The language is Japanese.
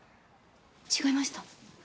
違いました。